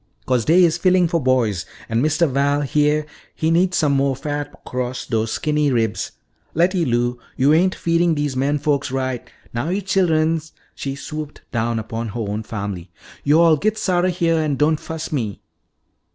"'Cause dey is fillin' fo' boys. An' Mistuh Val, heah, he needs some moah fat 'crost dose skinny ribs. Letty Lou, yo'all ain't feedin' dese men folks ri'. Now yo' chillens," she swooped down upon her own family, "yo'all gits outa heah an' don't fuss me."